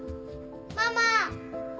ママ。